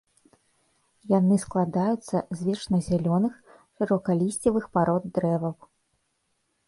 Яны складаюцца з вечназялёных шырокалісцевых парод дрэваў.